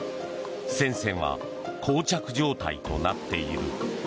戦線は膠着状態となっている。